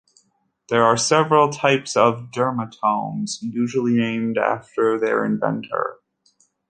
There are several types of dermatomes, usually named after their inventor.